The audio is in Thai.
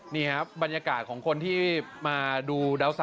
นี่ครับบรรยากาศของคนที่มาดูดาวเสา